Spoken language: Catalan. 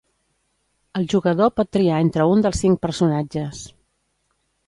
El jugador pot triar entre un dels cinc personatges.